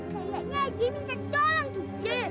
kayaknya dia minta tolong tuh